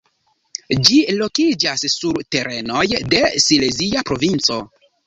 Ĝi lokiĝas sur terenoj de Silezia Provinco.